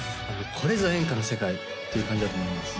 これぞ演歌の世界という感じだと思います